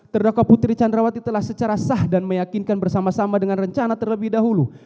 terdakwa putri candrawati telah secara sah dan meyakinkan bersama sama dengan rencana terlebih dahulu